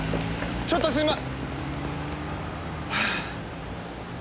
ちょっとすいま！